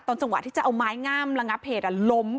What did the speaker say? จังหวะที่จะเอาไม้งามระงับเหตุล้ม